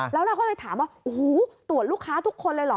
แล้วเราก็เลยถามว่าโอ้โหตรวจลูกค้าทุกคนเลยเหรอ